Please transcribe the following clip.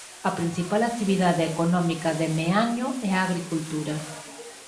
A principal actividade económica de Meaño é a agricultura.